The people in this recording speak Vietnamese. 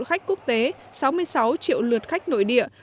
khách quốc tế sáu mươi sáu triệu lượt khách nội địa